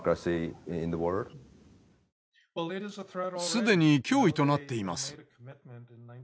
既に脅威となっています。